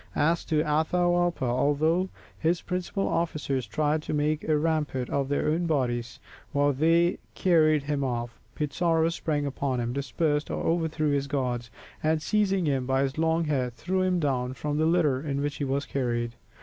As to Atahualpa, although his principal officers tried to make a rampart of their own bodies, while they carried him off, Pizarro sprang upon him, dispersed or overthrew his guards, and seizing him by his long hair, threw him down from the litter in which he was carried.